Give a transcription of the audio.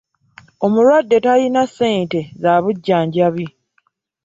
Omulwadde talina ssente z'abujjanjabi.